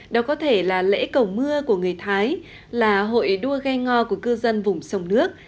đó có thể là lễ cầu mưa của người thái là hội đua ghe ngò của cư dân vùng sông nước